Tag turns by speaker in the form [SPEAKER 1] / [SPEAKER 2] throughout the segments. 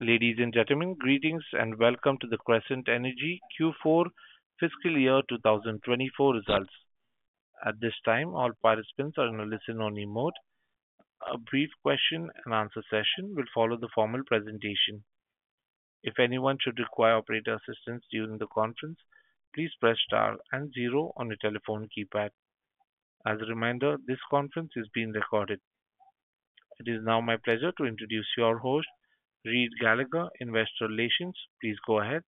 [SPEAKER 1] Ladies and gentlemen, greetings and welcome to the Crescent Energy Q4 FY 2024 results. At this time, all participants are in a listen-only mode. A brief question-and-answer session will follow the formal presentation. If anyone should require operator assistance during the conference, please press * and 0 on your telephone keypad. As a reminder, this conference is being recorded. It is now my pleasure to introduce your host, Reid Gallagher, Investor Relations. Please go ahead.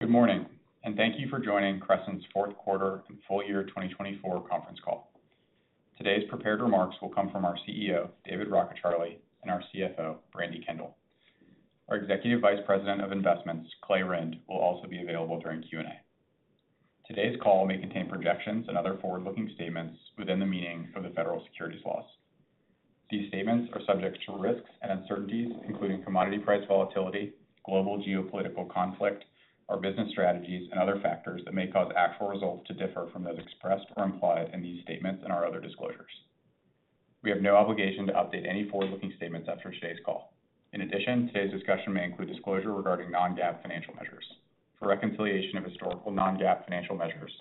[SPEAKER 2] Good morning, and thank you for joining Crescent's Fourth Quarter and Full Year 2024 Conference Call. Today's prepared remarks will come from our CEO, David Rockecharlie, and our CFO, Brandi Kendall. Our Executive Vice President of Investments, Clay Rynd, will also be available during Q&A. Today's call may contain projections and other forward-looking statements within the meaning of the federal securities laws. These statements are subject to risks and uncertainties, including commodity price volatility, global geopolitical conflict, our business strategies, and other factors that may cause actual results to differ from those expressed or implied in these statements and our other disclosures. We have no obligation to update any forward-looking statements after today's call. In addition, today's discussion may include disclosure regarding non-GAAP financial measures. For reconciliation of historical non-GAAP financial measures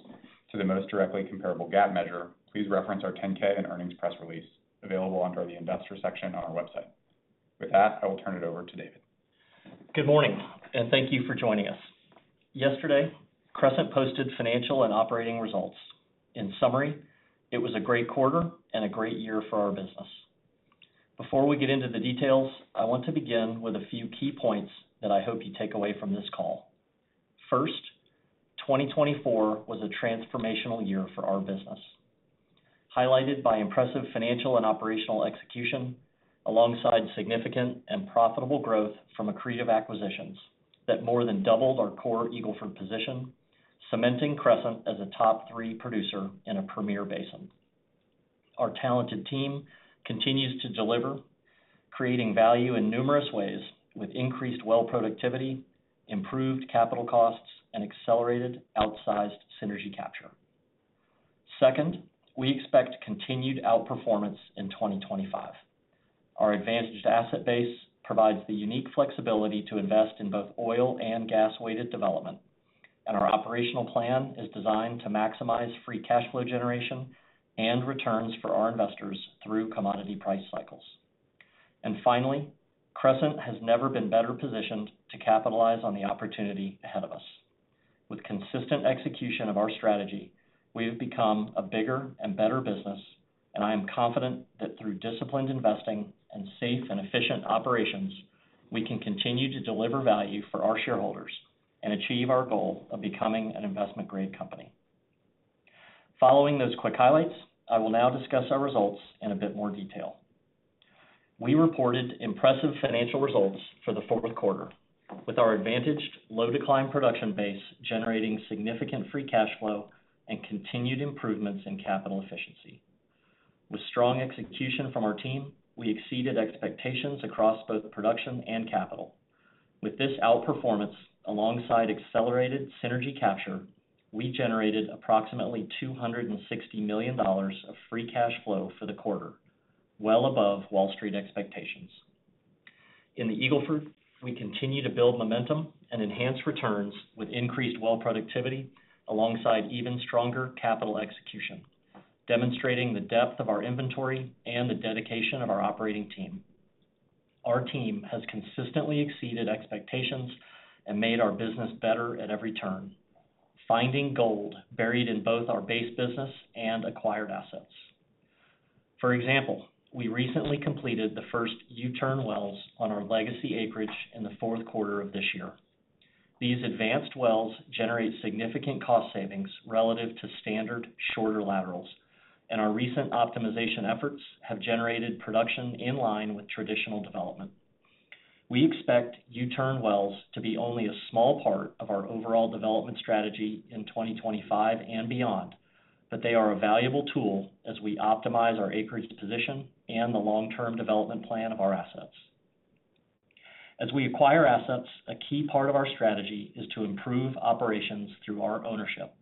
[SPEAKER 2] to the most directly comparable GAAP measure, please reference our 10-K and earnings press release available under the Investor section on our website. With that, I will turn it over to David.
[SPEAKER 3] Good morning, and thank you for joining us. Yesterday, Crescent posted financial and operating results. In summary, it was a great quarter and a great year for our business. Before we get into the details, I want to begin with a few key points that I hope you take away from this call. First, 2024 was a transformational year for our business, highlighted by impressive financial and operational execution alongside significant and profitable growth from accretive acquisitions that more than doubled our core Eagle Ford position, cementing Crescent as a top three producer in a premier basin. Our talented team continues to deliver, creating value in numerous ways with increased well productivity, improved capital costs, and accelerated outsized synergy capture. Second, we expect continued outperformance in 2025. Our advantaged asset base provides the unique flexibility to invest in both oil and gas-weighted development, and our operational plan is designed to maximize free cash flow generation and returns for our investors through commodity price cycles, and finally, Crescent has never been better positioned to capitalize on the opportunity ahead of us. With consistent execution of our strategy, we have become a bigger and better business, and I am confident that through disciplined investing and safe and efficient operations, we can continue to deliver value for our shareholders and achieve our goal of becoming an investment-grade company. Following those quick highlights, I will now discuss our results in a bit more detail. We reported impressive financial results for the fourth quarter, with our advantaged low-decline production base generating significant free cash flow and continued improvements in capital efficiency. With strong execution from our team, we exceeded expectations across both production and capital. With this outperformance, alongside accelerated synergy capture, we generated approximately $260 million of free cash flow for the quarter, well above Wall Street expectations. In the Eagle Ford, we continue to build momentum and enhance returns with increased well productivity alongside even stronger capital execution, demonstrating the depth of our inventory and the dedication of our operating team. Our team has consistently exceeded expectations and made our business better at every turn, finding gold buried in both our base business and acquired assets. For example, we recently completed the first U-turn wells on our legacy acreage in the fourth quarter of this year. These advanced wells generate significant cost savings relative to standard shorter laterals, and our recent optimization efforts have generated production in line with traditional development. We expect U-turn wells to be only a small part of our overall development strategy in 2025 and beyond, but they are a valuable tool as we optimize our acreage position and the long-term development plan of our assets. As we acquire assets, a key part of our strategy is to improve operations through our ownership.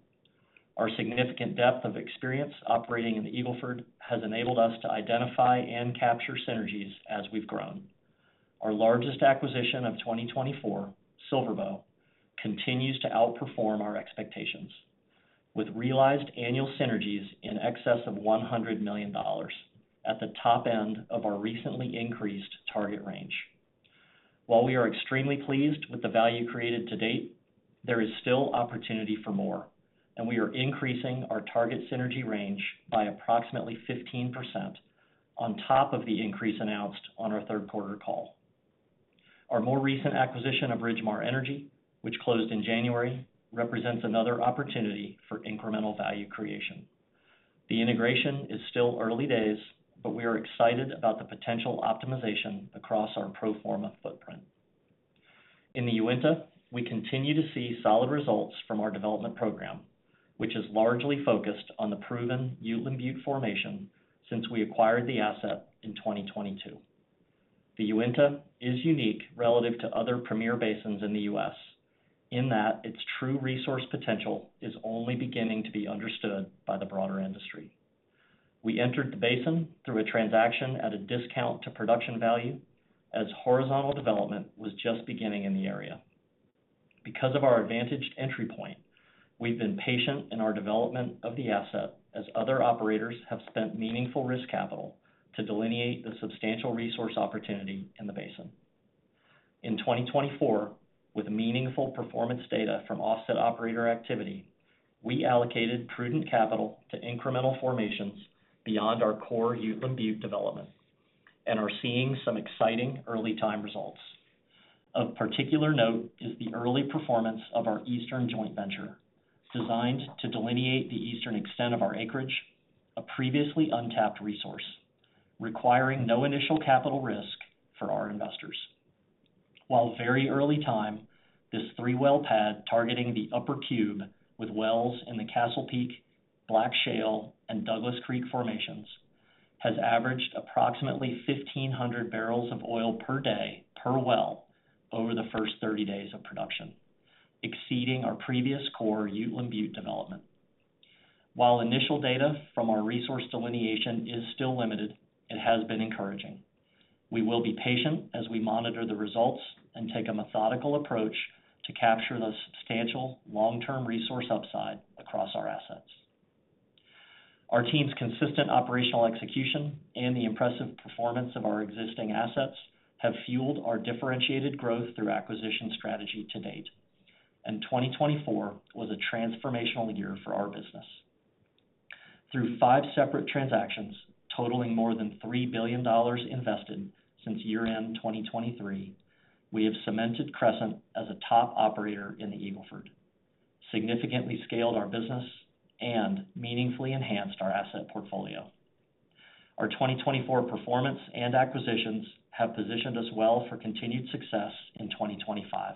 [SPEAKER 3] Our significant depth of experience operating in the Eagle Ford has enabled us to identify and capture synergies as we've grown. Our largest acquisition of 2024, SilverBow, continues to outperform our expectations, with realized annual synergies in excess of $100 million at the top end of our recently increased target range. While we are extremely pleased with the value created to date, there is still opportunity for more, and we are increasing our target synergy range by approximately 15% on top of the increase announced on our third quarter call. Our more recent acquisition of Ridgemar Energy, which closed in January, represents another opportunity for incremental value creation. The integration is still early days, but we are excited about the potential optimization across our pro forma footprint. In the Uinta, we continue to see solid results from our development program, which is largely focused on the proven Uteland Butte formation since we acquired the asset in 2022. The Uinta is unique relative to other premier basins in the U.S. in that its true resource potential is only beginning to be understood by the broader industry. We entered the basin through a transaction at a discount to production value as horizontal development was just beginning in the area. Because of our advantaged entry point, we've been patient in our development of the asset as other operators have spent meaningful risk capital to delineate the substantial resource opportunity in the basin. In 2024, with meaningful performance data from offset operator activity, we allocated prudent capital to incremental formations beyond our core Uteland Butte development and are seeing some exciting early-time results. Of particular note is the early performance of our Eastern joint venture designed to delineate the Eastern extent of our acreage, a previously untapped resource requiring no initial capital risk for our investors. While very early time, this three-well pad targeting the Upper Cube with wells in the Castle Peak, Black Shale, and Douglas Creek formations has averaged approximately 1,500 barrels of oil per day per well over the first 30 days of production, exceeding our previous core Uteland Butte development. While initial data from our resource delineation is still limited, it has been encouraging. We will be patient as we monitor the results and take a methodical approach to capture the substantial long-term resource upside across our assets. Our team's consistent operational execution and the impressive performance of our existing assets have fueled our differentiated growth through acquisition strategy to date, and 2024 was a transformational year for our business. Through five separate transactions totaling more than $3 billion invested since year-end 2023, we have cemented Crescent as a top operator in the Eagle Ford, significantly scaled our business, and meaningfully enhanced our asset portfolio. Our 2024 performance and acquisitions have positioned us well for continued success in 2025.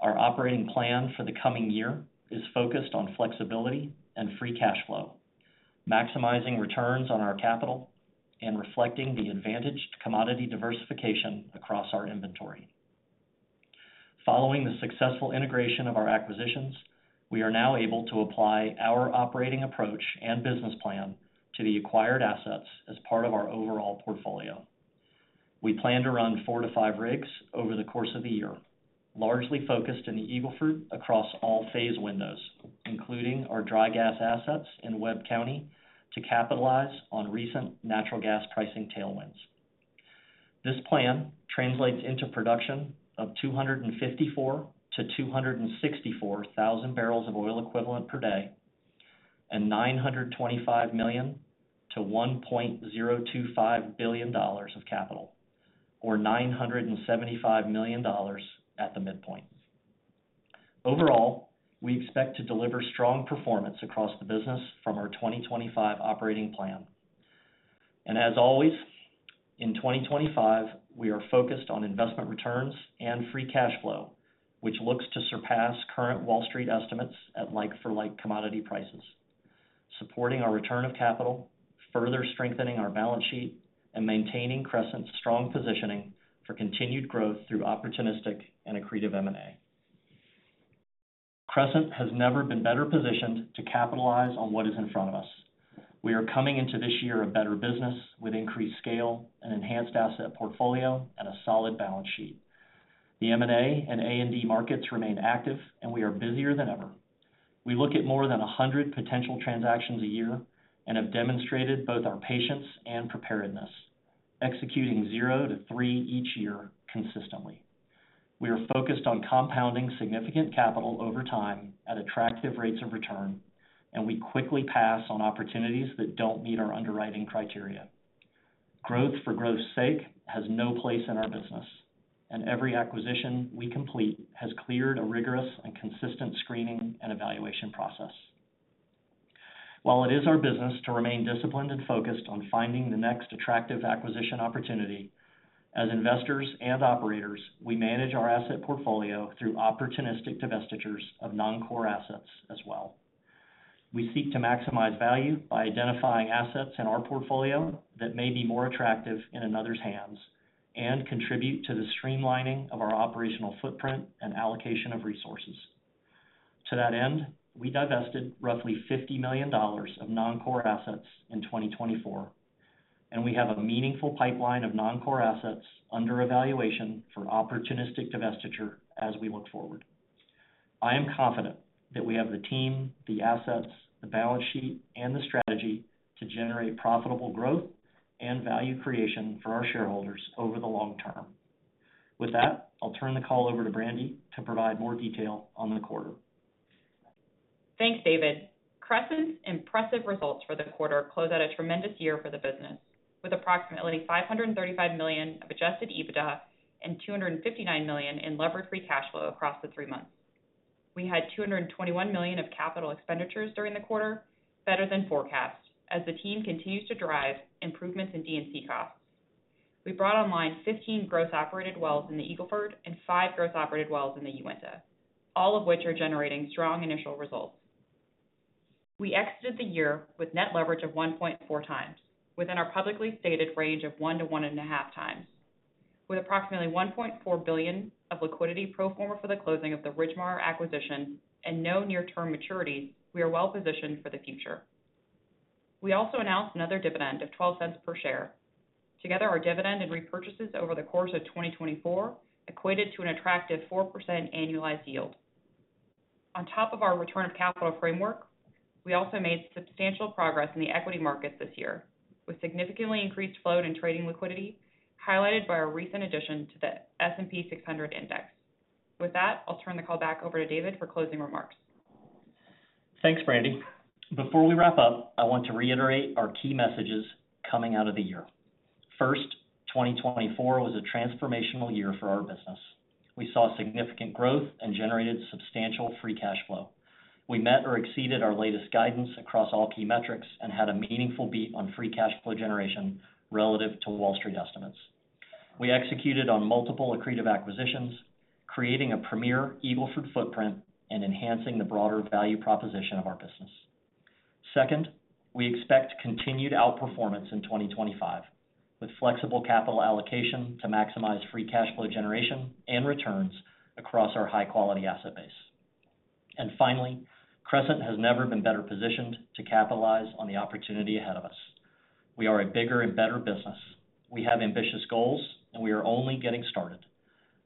[SPEAKER 3] Our operating plan for the coming year is focused on flexibility and free cash flow, maximizing returns on our capital and reflecting the advantaged commodity diversification across our inventory. Following the successful integration of our acquisitions, we are now able to apply our operating approach and business plan to the acquired assets as part of our overall portfolio. We plan to run four to five rigs over the course of the year, largely focused in the Eagle Ford across all phase windows, including our dry gas assets in Webb County to capitalize on recent natural gas pricing tailwinds. This plan translates into production of 254,000-264,000 barrels of oil equivalent per day and $925 million-$1.025 billion of capital, or $975 million at the midpoint. Overall, we expect to deliver strong performance across the business from our 2025 operating plan, and as always, in 2025, we are focused on investment returns and free cash flow, which looks to surpass current Wall Street estimates at like-for-like commodity prices, supporting our return of capital, further strengthening our balance sheet, and maintaining Crescent's strong positioning for continued growth through opportunistic and accretive M&A. Crescent has never been better positioned to capitalize on what is in front of us. We are coming into this year a better business with increased scale, an enhanced asset portfolio, and a solid balance sheet. The M&A and A&D markets remain active, and we are busier than ever. We look at more than 100 potential transactions a year and have demonstrated both our patience and preparedness, executing zero to three each year consistently. We are focused on compounding significant capital over time at attractive rates of return, and we quickly pass on opportunities that don't meet our underwriting criteria. Growth for growth's sake has no place in our business, and every acquisition we complete has cleared a rigorous and consistent screening and evaluation process. While it is our business to remain disciplined and focused on finding the next attractive acquisition opportunity, as investors and operators, we manage our asset portfolio through opportunistic divestitures of non-core assets as well. We seek to maximize value by identifying assets in our portfolio that may be more attractive in another's hands and contribute to the streamlining of our operational footprint and allocation of resources. To that end, we divested roughly $50 million of non-core assets in 2024, and we have a meaningful pipeline of non-core assets under evaluation for opportunistic divestiture as we look forward. I am confident that we have the team, the assets, the balance sheet, and the strategy to generate profitable growth and value creation for our shareholders over the long term. With that, I'll turn the call over to Brandi to provide more detail on the quarter.
[SPEAKER 4] Thanks, David. Crescent's impressive results for the quarter close out a tremendous year for the business with approximately $535 million of adjusted EBITDA and $259 million in leverage-free cash flow across the three months. We had $221 million of capital expenditures during the quarter, better than forecast, as the team continues to drive improvements in D&C costs. We brought online 15 gross operated wells in the Eagle Ford and five gross operated wells in the Uinta, all of which are generating strong initial results. We exited the year with net leverage of 1.4 times, within our publicly stated range of one to one and a half times. With approximately $1.4 billion of liquidity pro forma for the closing of the Ridgemar acquisition and no near-term maturities, we are well positioned for the future. We also announced another dividend of $0.12 per share. Together, our dividend and repurchases over the course of 2024 equated to an attractive 4% annualized yield. On top of our return of capital framework, we also made substantial progress in the equity markets this year, with significantly increased flow and trading liquidity highlighted by our recent addition to the S&P 600 index. With that, I'll turn the call back over to David for closing remarks.
[SPEAKER 3] Thanks, Brandi. Before we wrap up, I want to reiterate our key messages coming out of the year. First, 2024 was a transformational year for our business. We saw significant growth and generated substantial free cash flow. We met or exceeded our latest guidance across all key metrics and had a meaningful beat on free cash flow generation relative to Wall Street estimates. We executed on multiple accretive acquisitions, creating a premier Eagle Ford footprint and enhancing the broader value proposition of our business. Second, we expect continued outperformance in 2025 with flexible capital allocation to maximize free cash flow generation and returns across our high-quality asset base. And finally, Crescent has never been better positioned to capitalize on the opportunity ahead of us. We are a bigger and better business. We have ambitious goals, and we are only getting started.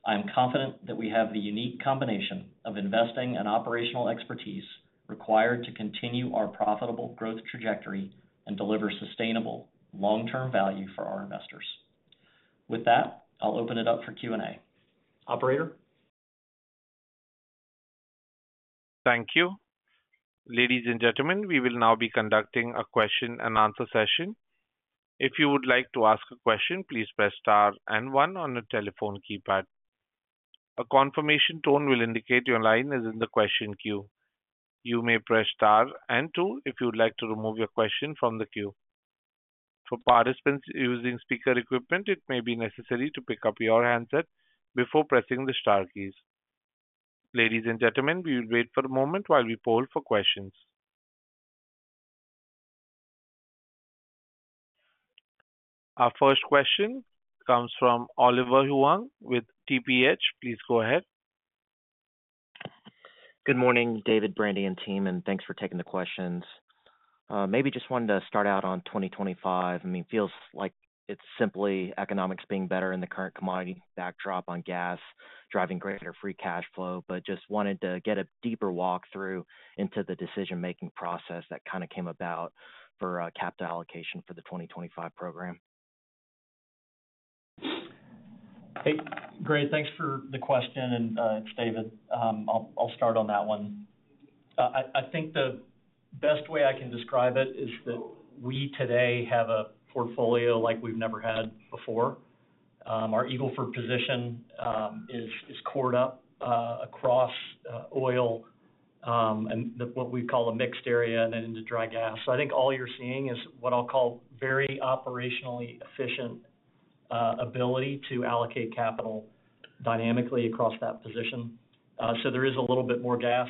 [SPEAKER 3] I am confident that we have the unique combination of investing and operational expertise required to continue our profitable growth trajectory and deliver sustainable long-term value for our investors. With that, I'll open it up for Q&A. Operator.
[SPEAKER 1] Thank you. Ladies and gentlemen, we will now be conducting a question and answer session. If you would like to ask a question, please press star and one on the telephone keypad. A confirmation tone will indicate your line is in the question queue. You may press star and two if you'd like to remove your question from the queue. For participants using speaker equipment, it may be necessary to pick up your handset before pressing the star keys. Ladies and gentlemen, we will wait for a moment while we poll for questions. Our first question comes from Oliver Huang with TPH. Please go ahead.
[SPEAKER 5] Good morning, David, Brandi, and team, and thanks for taking the questions. Maybe just wanted to start out on 2025. I mean, it feels like it's simply economics being better in the current commodity backdrop on gas driving greater free cash flow, but just wanted to get a deeper walkthrough into the decision-making process that kind of came about for capital allocation for the 2025 program.
[SPEAKER 3] Hey, great. Thanks for the question, and it's David. I'll start on that one. I think the best way I can describe it is that we today have a portfolio like we've never had before. Our Eagle Ford position is cored up across oil and what we call a mixed area and then into dry gas. So I think all you're seeing is what I'll call very operationally efficient ability to allocate capital dynamically across that position. So there is a little bit more gas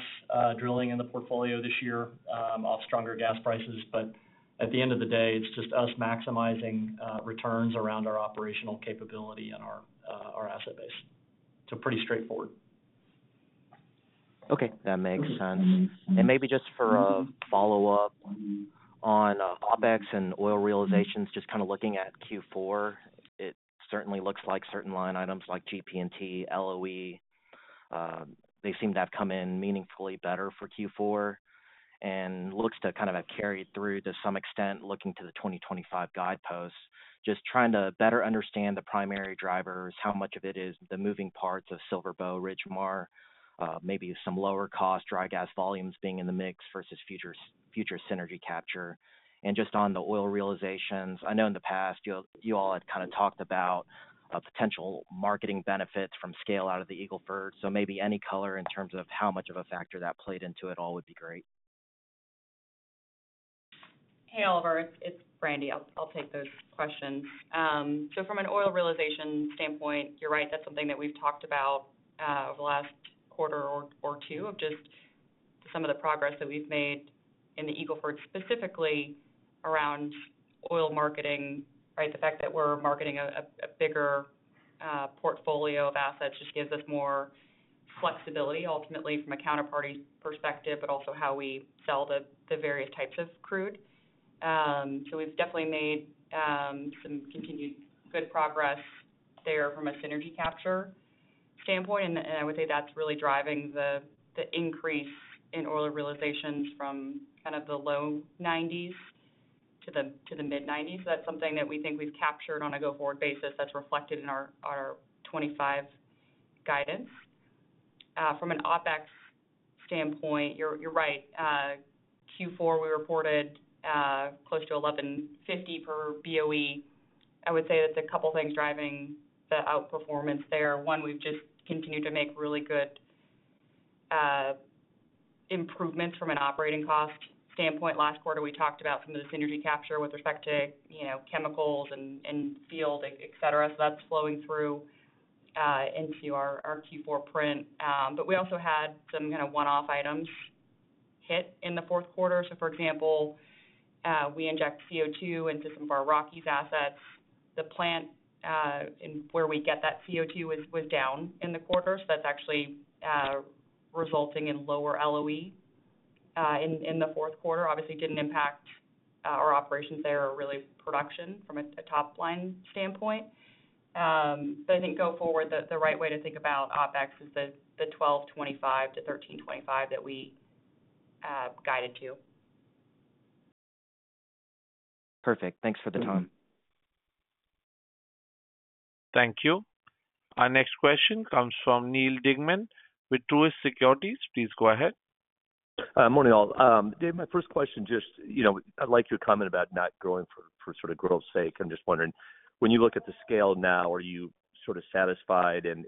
[SPEAKER 3] drilling in the portfolio this year off stronger gas prices, but at the end of the day, it's just us maximizing returns around our operational capability and our asset base. So pretty straightforward.
[SPEAKER 5] Okay. That makes sense. And maybe just for a follow-up on OpEx and oil realizations, just kind of looking at Q4, it certainly looks like certain line items like GP&T, LOE, they seem to have come in meaningfully better for Q4 and looks to kind of have carried through to some extent looking to the 2025 guideposts, just trying to better understand the primary drivers, how much of it is the moving parts of SilverBow, Ridgemar, maybe some lower-cost dry gas volumes being in the mix versus future synergy capture. And just on the oil realizations, I know in the past you all had kind of talked about potential marketing benefits from scale out of the Eagle Ford. So maybe any color in terms of how much of a factor that played into it all would be great.
[SPEAKER 4] Hey, Oliver, it's Brandi. I'll take those questions. So from an oil realization standpoint, you're right, that's something that we've talked about over the last quarter or two of just some of the progress that we've made in the Eagle Ford specifically around oil marketing, right? The fact that we're marketing a bigger portfolio of assets just gives us more flexibility ultimately from a counterparty perspective, but also how we sell the various types of crude. So we've definitely made some continued good progress there from a synergy capture standpoint, and I would say that's really driving the increase in oil realizations from kind of the low $90s to the mid-$90s. That's something that we think we've captured on a go-forward basis that's reflected in our 2025 guidance. From an OpEx standpoint, you're right, Q4 we reported close to $11.50 per BOE. I would say that the couple of things driving the outperformance there, one, we've just continued to make really good improvements from an operating cost standpoint. Last quarter, we talked about some of the synergy capture with respect to chemicals and field, etc. So that's flowing through into our Q4 print. But we also had some kind of one-off items hit in the fourth quarter. So for example, we inject CO2 into some of our Rockies assets. The plant where we get that CO2 was down in the quarter. So that's actually resulting in lower LOE in the fourth quarter. Obviously, it didn't impact our operations there or really production from a top-line standpoint. But I think go forward, the right way to think about OpEx is the $12.25-$13.25 that we guided to.
[SPEAKER 5] Perfect. Thanks for the time.
[SPEAKER 1] Thank you. Our next question comes from Neal Dingmann with Truist Securities. Please go ahead.
[SPEAKER 6] Morning all. David, my first question, just I'd like your comment about not growing for sort of growth's sake. I'm just wondering, when you look at the scale now, are you sort of satisfied? And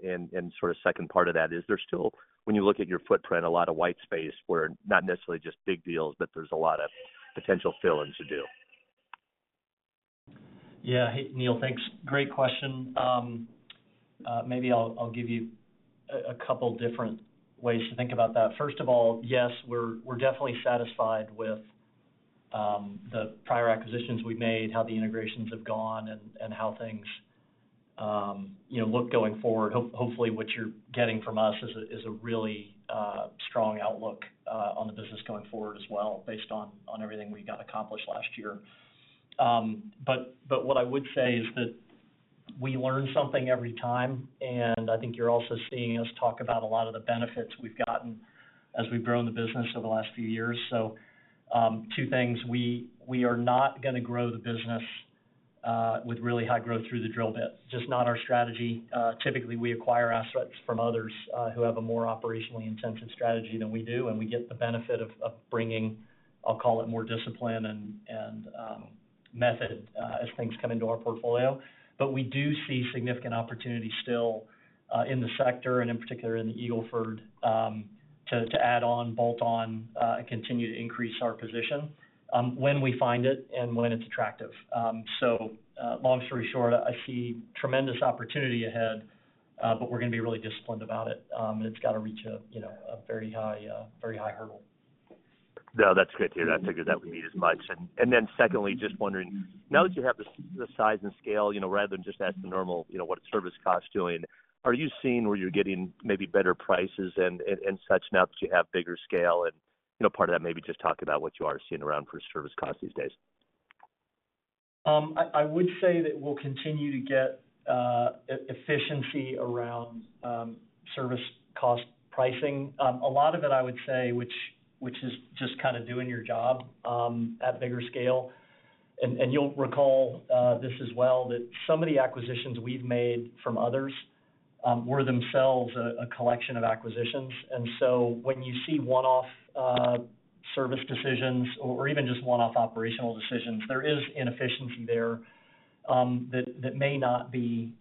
[SPEAKER 6] sort of second part of that, is there still, when you look at your footprint, a lot of white space where not necessarily just big deals, but there's a lot of potential fill-ins to do?
[SPEAKER 3] Yeah. Hey, Neal, thanks. Great question. Maybe I'll give you a couple of different ways to think about that. First of all, yes, we're definitely satisfied with the prior acquisitions we've made, how the integrations have gone, and how things look going forward. Hopefully, what you're getting from us is a really strong outlook on the business going forward as well based on everything we got accomplished last year. But what I would say is that we learn something every time, and I think you're also seeing us talk about a lot of the benefits we've gotten as we've grown the business over the last few years. So two things. We are not going to grow the business with really high growth through the drill bit. Just not our strategy. Typically, we acquire assets from others who have a more operationally intensive strategy than we do, and we get the benefit of bringing, I'll call it, more discipline and method as things come into our portfolio. But we do see significant opportunity still in the sector and in particular in the Eagle Ford to add on, bolt on, and continue to increase our position when we find it and when it's attractive. So long story short, I see tremendous opportunity ahead, but we're going to be really disciplined about it, and it's got to reach a very high hurdle.
[SPEAKER 6] No, that's good to hear. That's good to hear that we need as much. And then secondly, just wondering, now that you have the size and scale, rather than just ask the normal, "What's service cost doing?" Are you seeing where you're getting maybe better prices and such now that you have bigger scale? And part of that, maybe just talk about what you are seeing around for service costs these days.
[SPEAKER 3] I would say that we'll continue to get efficiency around service cost pricing. A lot of it, I would say, which is just kind of doing your job at bigger scale. And you'll recall this as well, that some of the acquisitions we've made from others were themselves a collection of acquisitions. And so when you see one-off service decisions or even just one-off operational decisions, there is inefficiency there that may not be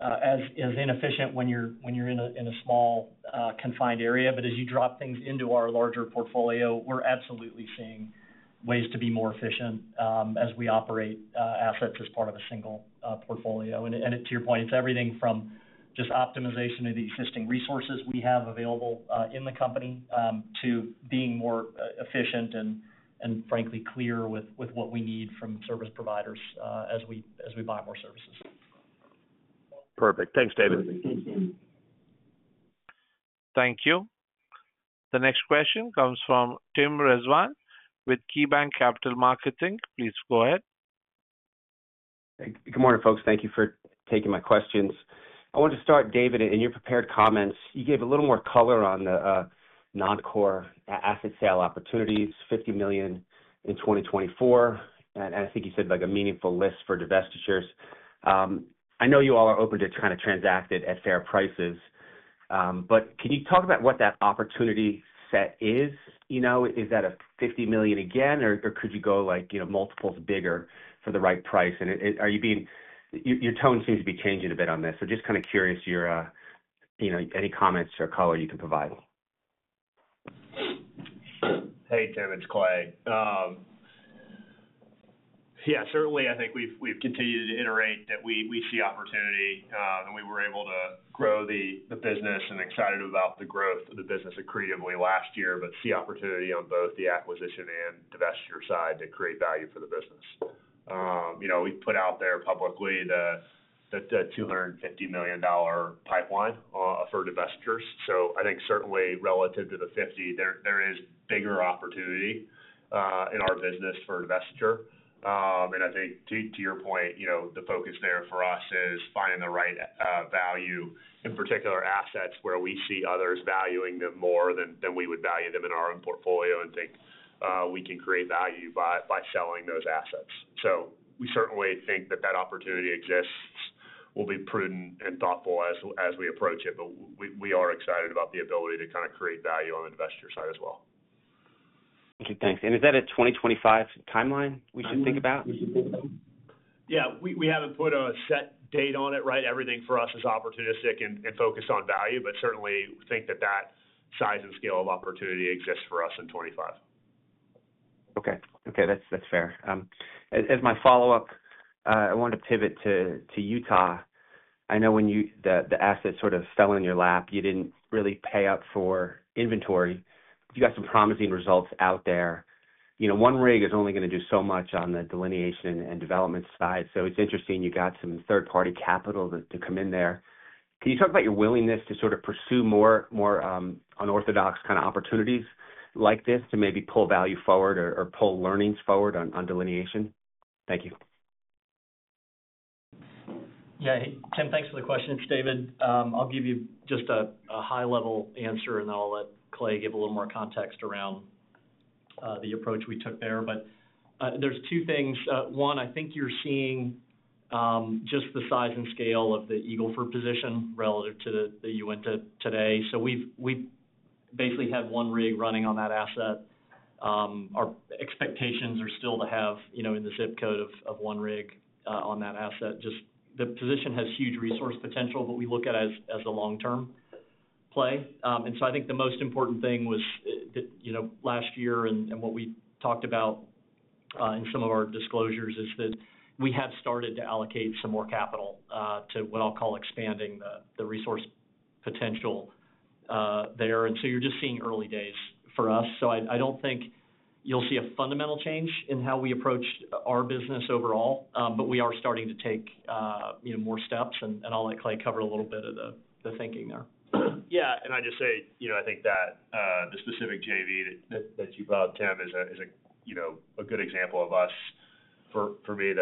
[SPEAKER 3] as inefficient when you're in a small confined area. But as you drop things into our larger portfolio, we're absolutely seeing ways to be more efficient as we operate assets as part of a single portfolio. And to your point, it's everything from just optimization of the existing resources we have available in the company to being more efficient and, frankly, clear with what we need from service providers as we buy more services.
[SPEAKER 6] Perfect. Thanks, David.
[SPEAKER 1] Thank you. The next question comes from Tim Rezvan with KeyBanc Capital Markets. Please go ahead.
[SPEAKER 7] Good morning, folks. Thank you for taking my questions. I wanted to start, David, in your prepared comments. You gave a little more color on the non-core asset sale opportunities, $50 million in 2024, and I think you said a meaningful list for divestitures. I know you all are open to kind of transact it at fair prices, but can you talk about what that opportunity set is? Is that a $50 million again, or could you go multiples bigger for the right price? And your tone seems to be changing a bit on this. So just kind of curious any comments or color you can provide?
[SPEAKER 8] Hey, David, it's Clay. Yeah, certainly, I think we've continued to iterate that we see opportunity and we were able to grow the business and excited about the growth of the business accretively last year, but see opportunity on both the acquisition and divestiture side to create value for the business. We put out there publicly the $250 million pipeline for divestitures. So I think certainly relative to the 50, there is bigger opportunity in our business for divestiture. And I think to your point, the focus there for us is finding the right value in particular assets where we see others valuing them more than we would value them in our own portfolio and think we can create value by selling those assets. So we certainly think that that opportunity exists. We'll be prudent and thoughtful as we approach it, but we are excited about the ability to kind of create value on the divestiture side as well.
[SPEAKER 7] Okay. Thanks. And is that a 2025 timeline we should think about?
[SPEAKER 8] Yeah. We haven't put a set date on it, right? Everything for us is opportunistic and focused on value, but certainly think that that size and scale of opportunity exists for us in 2025.
[SPEAKER 7] Okay. Okay. That's fair. As my follow-up, I want to pivot to Utah. I know when the asset sort of fell in your lap, you didn't really pay up for inventory. You got some promising results out there. One rig is only going to do so much on the delineation and development side. So it's interesting you got some third-party capital to come in there. Can you talk about your willingness to sort of pursue more unorthodox kind of opportunities like this to maybe pull value forward or pull learnings forward on delineation? Thank you.
[SPEAKER 3] Yeah. Hey, Tim, thanks for the question. David, I'll give you just a high-level answer, and then I'll let Clay give a little more context around the approach we took there. But there's two things. One, I think you're seeing just the size and scale of the Eagle Ford position relative to the Uinta today. So we basically have one rig running on that asset. Our expectations are still to have in the zip code of one rig on that asset. Just the position has huge resource potential, but we look at it as a long-term play. And so I think the most important thing was last year and what we talked about in some of our disclosures is that we have started to allocate some more capital to what I'll call expanding the resource potential there. And so you're just seeing early days for us. So I don't think you'll see a fundamental change in how we approach our business overall, but we are starting to take more steps, and I'll let Clay cover a little bit of the thinking there.
[SPEAKER 8] Yeah, and I just say I think that the specific JV that you brought up, Tim, is a good example of us, for me,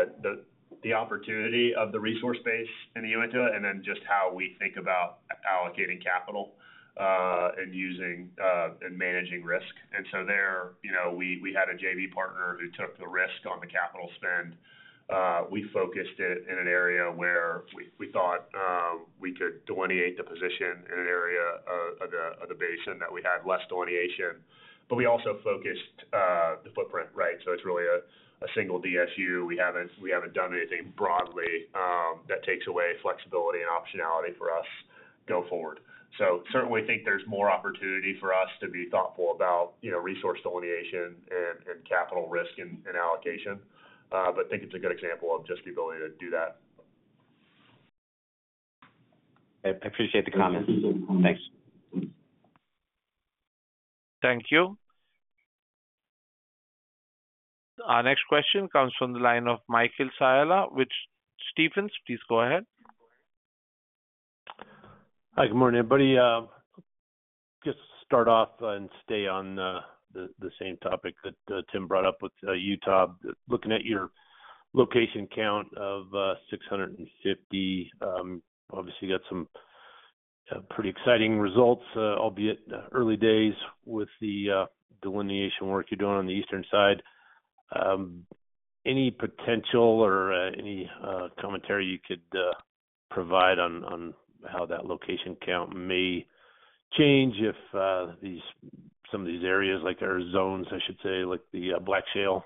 [SPEAKER 8] the opportunity of the resource base in the Uinta and then just how we think about allocating capital and managing risk, and so there, we had a JV partner who took the risk on the capital spend. We focused it in an area where we thought we could delineate the position in an area of the basin that we had less delineation, but we also focused the footprint, right, so it's really a single DSU. We haven't done anything broadly that takes away flexibility and optionality for us going forward, so certainly think there's more opportunity for us to be thoughtful about resource delineation and capital risk and allocation, but think it's a good example of just the ability to do that.
[SPEAKER 7] I appreciate the comments. Thanks.
[SPEAKER 1] Thank you. Our next question comes from the line of Michael Scialla. Stephens, please go ahead.
[SPEAKER 9] Hi, good morning, everybody. Just to start off and stay on the same topic that Tim brought up with Utah, looking at your location count of 650, obviously got some pretty exciting results, albeit early days with the delineation work you're doing on the eastern side. Any potential or any commentary you could provide on how that location count may change if some of these areas, like there are zones, I should say, like the Black Shale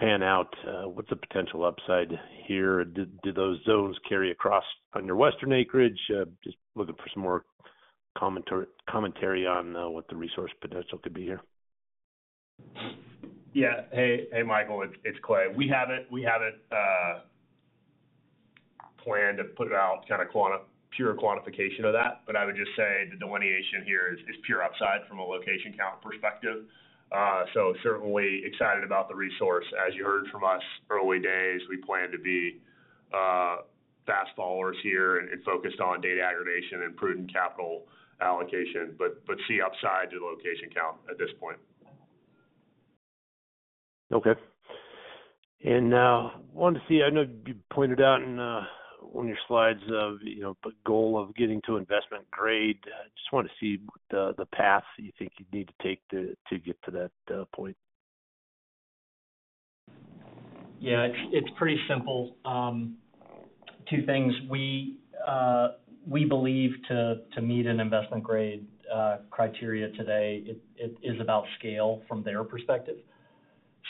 [SPEAKER 9] pan out, what's the potential upside here? Do those zones carry across on your western acreage? Just looking for some more commentary on what the resource potential could be here.
[SPEAKER 8] Yeah. Hey, Michael, it's Clay. We haven't planned to put out kind of pure quantification of that, but I would just say the delineation here is pure upside from a location count perspective. So certainly excited about the resource. As you heard from us, early days, we plan to be fast followers here and focused on data aggregation and prudent capital allocation, but see upside to the location count at this point.
[SPEAKER 9] Okay. And I wanted to see, I know you pointed out in one of your slides the goal of getting to investment grade. I just want to see the path you think you'd need to take to get to that point.
[SPEAKER 3] Yeah. It's pretty simple. Two things. We believe to meet an investment grade criteria today, it is about scale from their perspective.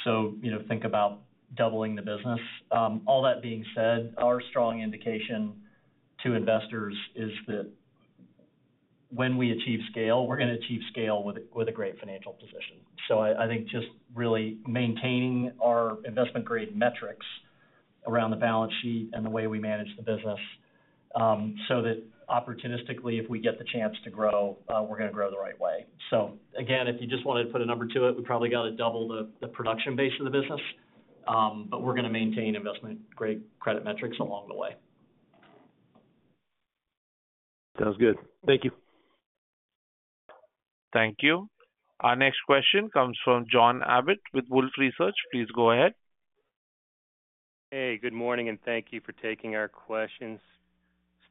[SPEAKER 3] So think about doubling the business. All that being said, our strong indication to investors is that when we achieve scale, we're going to achieve scale with a great financial position. So I think just really maintaining our investment grade metrics around the balance sheet and the way we manage the business so that opportunistically, if we get the chance to grow, we're going to grow the right way. So again, if you just wanted to put a number to it, we probably got to double the production base of the business, but we're going to maintain investment grade credit metrics along the way.
[SPEAKER 9] Sounds good. Thank you.
[SPEAKER 1] Thank you. Our next question comes from John Abbott with Wolfe Research. Please go ahead.
[SPEAKER 10] Hey, good morning, and thank you for taking our questions.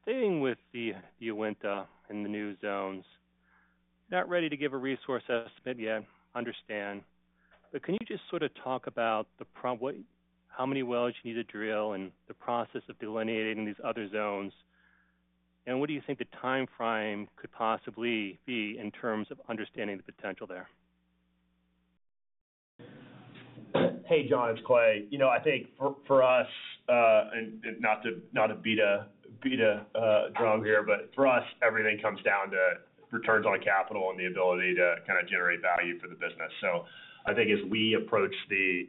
[SPEAKER 10] Staying with the Uinta and the new zones, not ready to give a resource estimate yet, understand. But can you just sort of talk about how many wells you need to drill and the process of delineating these other zones? And what do you think the timeframe could possibly be in terms of understanding the potential there?
[SPEAKER 8] Hey, John, it's Clay. I think for us, and not to beat a drum here, but for us, everything comes down to returns on capital and the ability to kind of generate value for the business, so I think as we approach the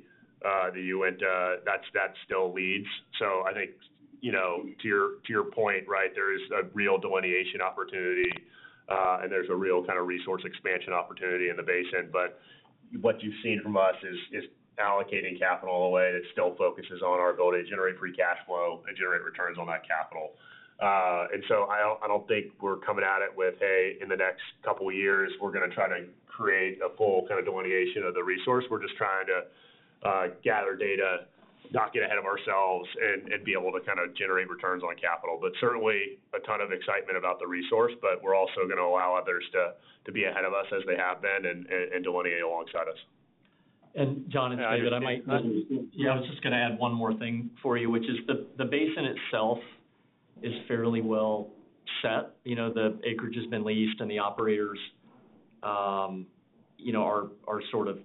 [SPEAKER 8] Uinta, that still leads, so I think to your point, right, there is a real delineation opportunity and there's a real kind of resource expansion opportunity in the basin, but what you've seen from us is allocating capital in a way that still focuses on our ability to generate free cash flow and generate returns on that capital. And so I don't think we're coming at it with, "Hey, in the next couple of years, we're going to try to create a full kind of delineation of the resource." We're just trying to gather data, not get ahead of ourselves, and be able to kind of generate returns on capital. But certainly, a ton of excitement about the resource, but we're also going to allow others to be ahead of us as they have been and delineate alongside us. And John and David, I might.
[SPEAKER 3] Yeah, I was just going to add one more thing for you, which is the basin itself is fairly well set. The acreage has been leased, and the operators are sort of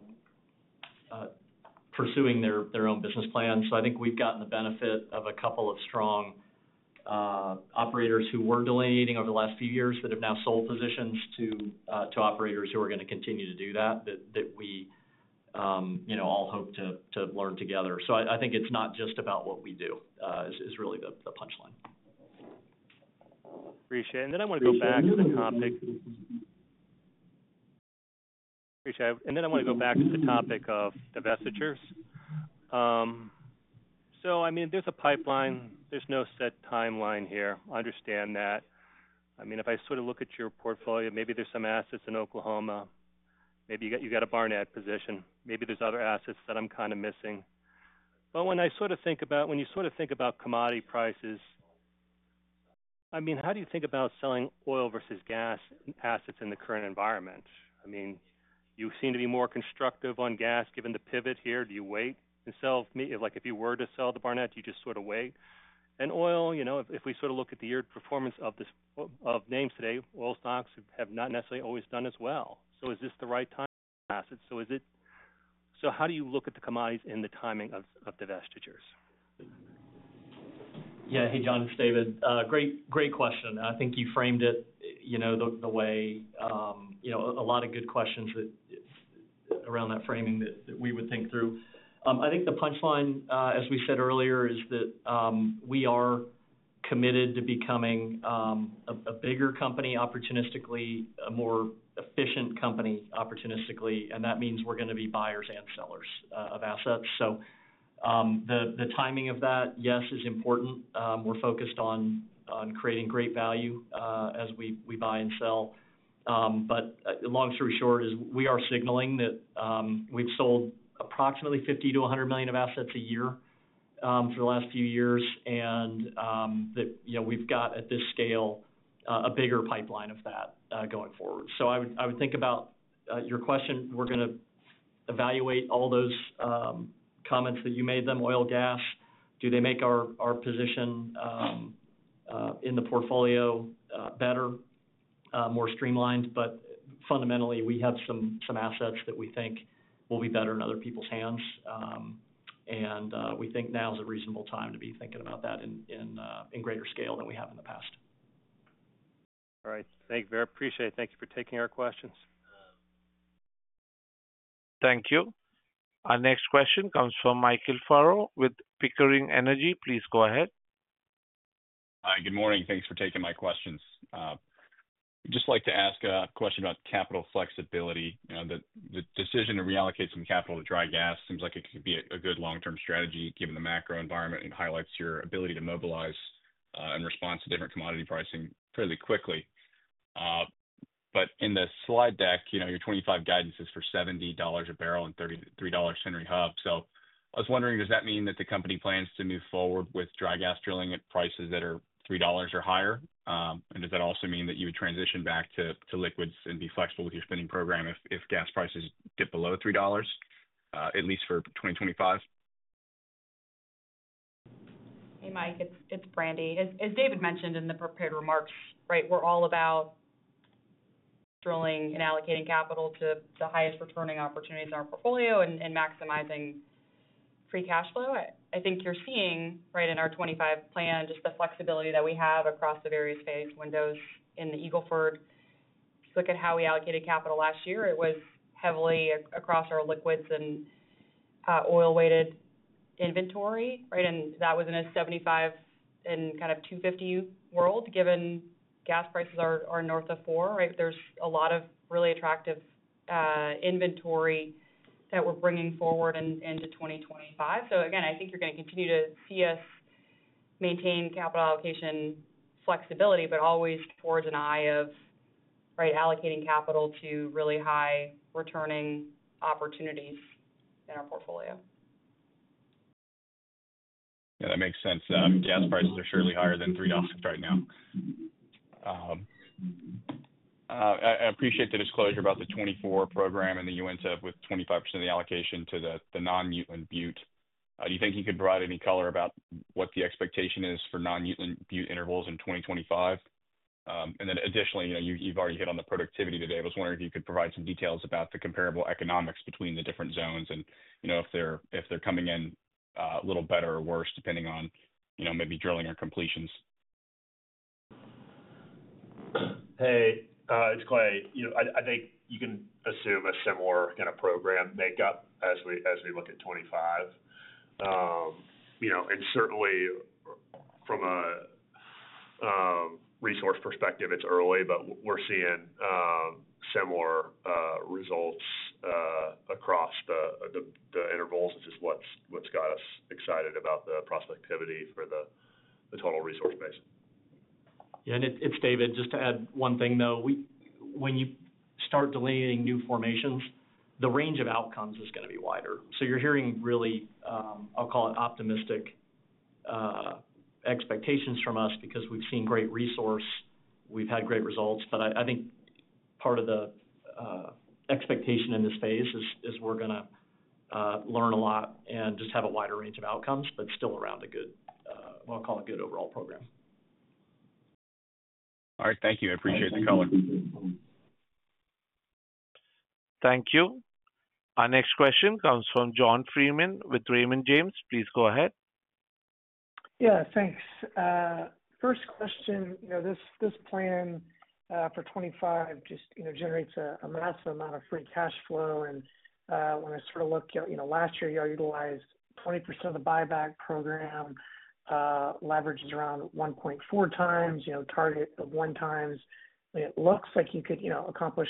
[SPEAKER 3] pursuing their own business plans. So I think we've gotten the benefit of a couple of strong operators who were delineating over the last few years that have now sold positions to operators who are going to continue to do that we all hope to learn together. So I think it's not just about what we do is really the punchline.
[SPEAKER 10] Appreciate it and then I want to go back to the topic of divestitures, so I mean, there's a pipeline. There's no set timeline here. I understand that. I mean, if I sort of look at your portfolio, maybe there's some assets in Oklahoma. Maybe you got a Barnett position. Maybe there's other assets that I'm kind of missing, but when I sort of think about when you sort of think about commodity prices, I mean, how do you think about selling oil versus gas assets in the current environment? I mean, you seem to be more constructive on gas given the pivot here. Do you wait and sell? If you were to sell the Barnett, do you just sort of wait? And oil, if we sort of look at the year performance of names today, oil stocks have not necessarily always done as well. So is this the right time? Assets. So how do you look at the commodities and the timing of divestitures?
[SPEAKER 3] Yeah. Hey, John, David. Great question. I think you framed it the way a lot of good questions around that framing that we would think through. I think the punchline, as we said earlier, is that we are committed to becoming a bigger company opportunistically, a more efficient company opportunistically. And that means we're going to be buyers and sellers of assets. So the timing of that, yes, is important. We're focused on creating great value as we buy and sell. But long story short, we are signaling that we've sold approximately $50-$100 million of assets a year for the last few years and that we've got at this scale a bigger pipeline of that going forward. So I would think about your question. We're going to evaluate all those comments that you made, them, oil, gas. Do they make our position in the portfolio better, more streamlined? But fundamentally, we have some assets that we think will be better in other people's hands. And we think now is a reasonable time to be thinking about that in greater scale than we have in the past.
[SPEAKER 10] All right. Thank you very much. Appreciate it. Thank you for taking our questions.
[SPEAKER 1] Thank you. Our next question comes from Michael Furrow with Pickering Energy Partners. Please go ahead.
[SPEAKER 11] Hi, good morning. Thanks for taking my questions. I'd just like to ask a question about capital flexibility. The decision to reallocate some capital to dry gas seems like it could be a good long-term strategy given the macro environment and highlights your ability to mobilize in response to different commodity pricing fairly quickly. But in the slide deck, your 2025 guidance is for $70 a barrel and $3 Henry Hub. So I was wondering, does that mean that the company plans to move forward with dry gas drilling at prices that are $3 or higher? And does that also mean that you would transition back to liquids and be flexible with your spending program if gas prices dip below $3, at least for 2025?
[SPEAKER 4] Hey, Mike, it's Brandi. As David mentioned in the prepared remarks, right, we're all about drilling and allocating capital to the highest returning opportunities in our portfolio and maximizing free cash flow. I think you're seeing, right, in our 2025 plan, just the flexibility that we have across the various phase windows in the Eagle Ford. If you look at how we allocated capital last year, it was heavily across our liquids and oil-weighted inventory, right? And that was in a $75 and kind of $2.50 world. Given gas prices are north of $4, right, there's a lot of really attractive inventory that we're bringing forward into 2025. So again, I think you're going to continue to see us maintain capital allocation flexibility, but always towards an eye of, right, allocating capital to really high returning opportunities in our portfolio.
[SPEAKER 11] Yeah, that makes sense. Gas prices are surely higher than $3 right now. I appreciate the disclosure about the 2024 program and the Uinta with 25% of the allocation to the non-Uteland Butte. Do you think you could provide any color about what the expectation is for non-Uteland Butte intervals in 2025? And then additionally, you've already hit on the productivity today. I was wondering if you could provide some details about the comparable economics between the different zones and if they're coming in a little better or worse depending on maybe drilling or completions.
[SPEAKER 8] Hey, it's Clay. I think you can assume a similar kind of program makeup as we look at 2025. And certainly, from a resource perspective, it's early, but we're seeing similar results across the intervals, which is what's got us excited about the prospectivity for the total resource base.
[SPEAKER 3] Yeah, and it's David. Just to add one thing, though, when you start delineating new formations, the range of outcomes is going to be wider. So you're hearing really, I'll call it optimistic expectations from us because we've seen great resource. We've had great results. But I think part of the expectation in this phase is we're going to learn a lot and just have a wider range of outcomes, but still around a good, I'll call it a good overall program.
[SPEAKER 11] All right. Thank you. I appreciate the color.
[SPEAKER 1] Thank you. Our next question comes from John Freeman with Raymond James. Please go ahead.
[SPEAKER 12] Yeah. Thanks. First question, this plan for 2025 just generates a massive amount of free cash flow. And when I sort of look, last year, you all utilized 20% of the buyback program, leveraged around 1.4 times, target of one times. It looks like you could accomplish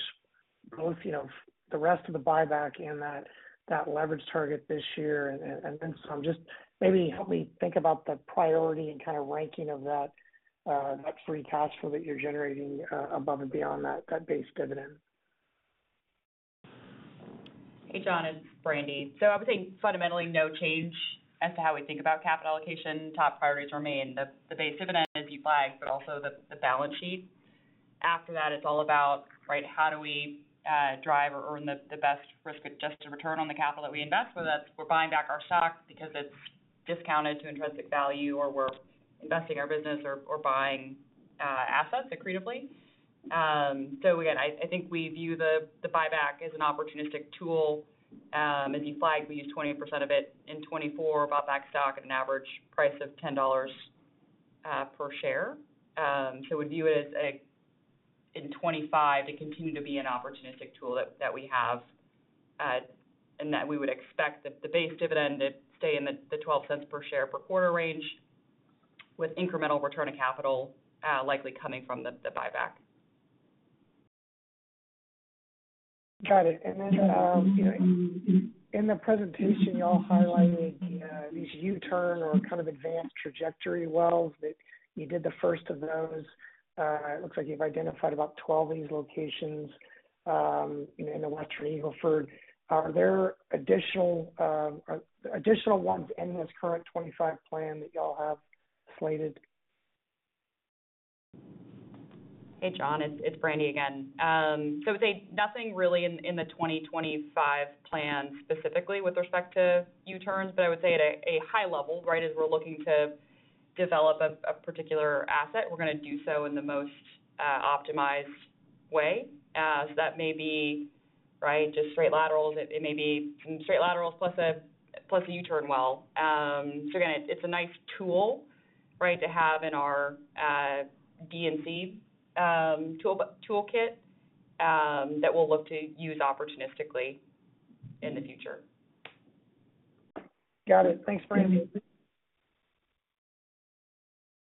[SPEAKER 12] both the rest of the buyback and that leverage target this year. And then so just maybe help me think about the priority and kind of ranking of that free cash flow that you're generating above and beyond that base dividend.
[SPEAKER 4] Hey, John, it's Brandi. So I would say fundamentally no change as to how we think about capital allocation. Top priorities remain. The base dividend, buybacks, but also the balance sheet. After that, it's all about, right, how do we drive or earn the best risk-adjusted return on the capital that we invest? Whether that's we're buying back our stock because it's discounted to intrinsic value or we're investing our business or buying assets accretively. So again, I think we view the buyback as an opportunistic tool. As you flagged, we used 20% of it in 2024, bought back stock at an average price of $10 per share. So we'd view it as in 2025 to continue to be an opportunistic tool that we have and that we would expect the base dividend to stay in the $0.12 per share per quarter range with incremental return of capital likely coming from the buyback.
[SPEAKER 12] Got it. And then in the presentation, y'all highlighted these U-turn or kind of advanced trajectory wells that you did the first of those. It looks like you've identified about 12 of these locations in the western Eagle Ford. Are there additional ones in this current 2025 plan that y'all have slated?
[SPEAKER 4] Hey, John, it's Brandi again. So I would say nothing really in the 2025 plan specifically with respect to U-turns, but I would say at a high level, right, as we're looking to develop a particular asset, we're going to do so in the most optimized way. So that may be, right, just straight laterals. It may be some straight laterals plus a U-turn well. So again, it's a nice tool, right, to have in our D&C toolkit that we'll look to use opportunistically in the future.
[SPEAKER 12] Got it. Thanks, Brandi.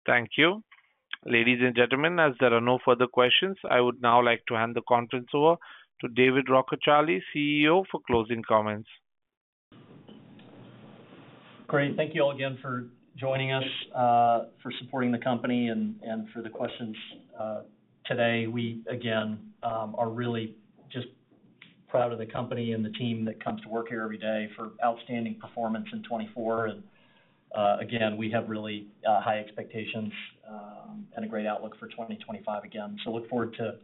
[SPEAKER 1] Thank you. Ladies and gentlemen, as there are no further questions, I would now like to hand the conference over to David Rockecharlie, CEO, for closing comments.
[SPEAKER 3] Great. Thank you all again for joining us, for supporting the company, and for the questions today. We, again, are really just proud of the company and the team that comes to work here every day for outstanding performance in 2024. And again, we have really high expectations and a great outlook for 2025 again. So look forward to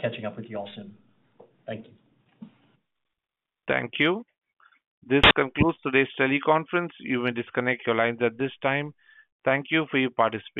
[SPEAKER 3] catching up with you all soon. Thank you.
[SPEAKER 1] Thank you. This concludes today's teleconference. You may disconnect your lines at this time. Thank you for your participation.